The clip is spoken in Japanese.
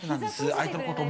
相手のことを。